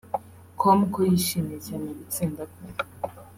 com ko yishimiye cyane gutsinda kwe